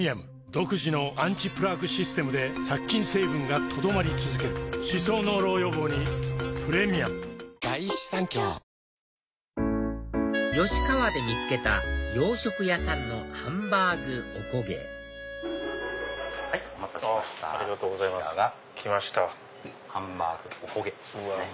独自のアンチプラークシステムで殺菌成分が留まり続ける歯槽膿漏予防にプレミアム吉川で見つけた洋食屋さんのハンバーグ・おこげはいお待たせしましたこちらがハンバーグ・おこげです。